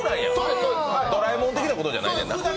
ドラえもん的なことやないねんな。